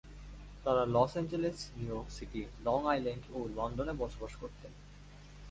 তারা Los Angeles, New York City, Long Island ও লন্ডনে বসবাস করতেন।